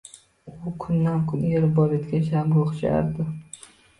U kundan-kun erib borayotgan shamga o`xshardi